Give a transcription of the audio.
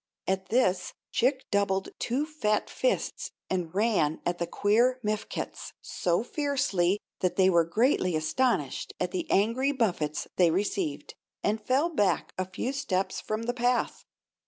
At this Chick doubled two fat fists and ran at the queer Mifkets so fiercely that they were greatly astonished at the angry buffets they received, and fell back a few steps from the path.